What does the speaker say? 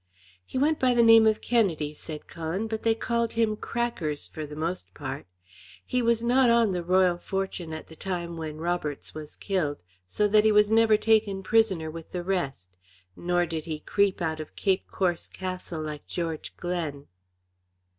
"He went by the name of Kennedy," said Cullen, "but they called him 'Crackers' for the most part. He was not on the Royal Fortune at the time when Roberts was killed, so that he was never taken prisoner with the rest, nor did he creep out of Cape Corse Castle like George Glen."